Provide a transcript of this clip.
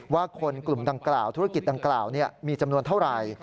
ว่าคนกลุ่มดังกล่าวธุรกิจดังกล่าวมีจำนวนเท่าไหร่